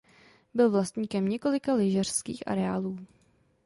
Byl vlastníkem několika lyžařských areálů.